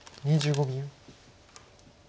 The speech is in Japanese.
２５秒。